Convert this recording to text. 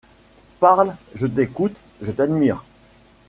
Parle, je t’écoute, je t’admire.